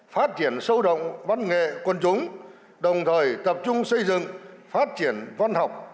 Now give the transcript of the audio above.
phát triển sâu động văn nghệ quân chúng đồng thời tập trung xây dựng phát triển văn học